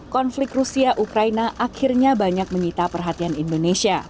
konflik rusia ukraina akhirnya banyak menyita perhatian indonesia